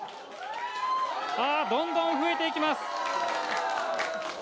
あー、どんどん増えていきます。